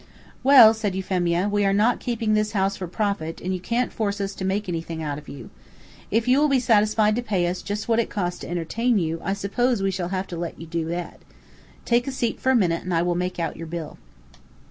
"Well," said Euphemia, "we are not keeping this house for profit, and you can't force us to make anything out of you. If you will be satisfied to pay us just what it cost us to entertain you, I suppose we shall have to let you do that. Take a seat for a minute, and I will make out your bill."